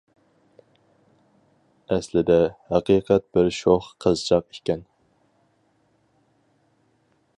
ئەسلىدە، ھەقىقەت بىر شوخ قىزچاق ئىكەن.